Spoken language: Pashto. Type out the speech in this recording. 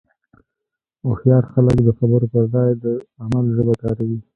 هوښیار خلک د خبرو پر ځای د عمل ژبه کاروي.